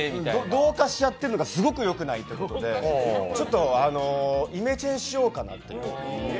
同化しちゃっているのがすごく良くないということで、イメチェンしようかなっていう。